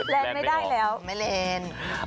แลนด์ไม่ได้แล้วไม่แลนด์